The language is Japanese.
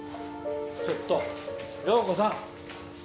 ちょっと遼子さん！